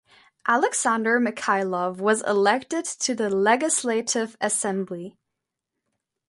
Alexander Mikhailov was elected to the Legislative Assembly.